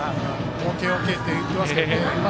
ＯＫ、ＯＫって言ってますけどね。